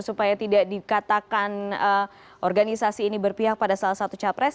supaya tidak dikatakan organisasi ini berpihak pada salah satu capres